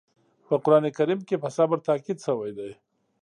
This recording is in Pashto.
په قرآن کریم کې په صبر تاکيد شوی دی.